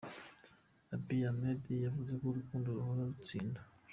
Abiy Ahmed yavuze ko “Urukundo ruhora rutsinda.